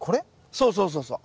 そうそうそうそう。